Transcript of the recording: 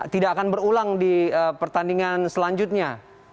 tidak akan berulang di pertandingan selanjutnya